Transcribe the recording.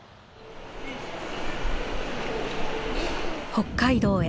北海道へ。